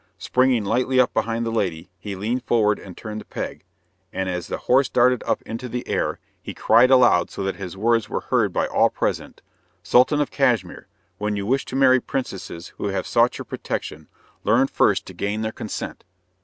Springing lightly up behind the lady, he leaned forward and turned the peg, and as the horse darted up into the air, he cried aloud so that his words were heard by all present, "Sultan of Cashmere, when you wish to marry princesses who have sought your protection, learn first to gain their consent."